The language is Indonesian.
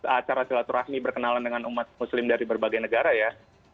acara silaturahmi berkenalan dengan umat muslim dari berbagai negara ya